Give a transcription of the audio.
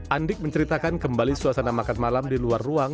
andik menceritakan kembali suasana makan malam di luar ruang